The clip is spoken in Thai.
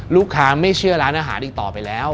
ลูกค้าไม่เชื่อร้านอาหารอีกต่อไปแล้ว